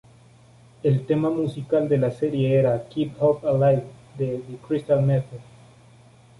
El tema musical de la serie era "Keep Hope Alive", de The Crystal Method.